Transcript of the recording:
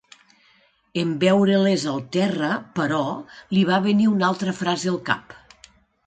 En veure-les al terra, però, li va venir una altra frase al cap.